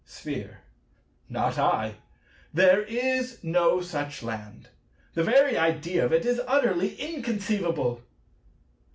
Sphere. Not I. There is no such land. The very idea of it is utterly inconceivable.